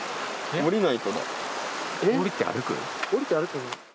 降りて歩く？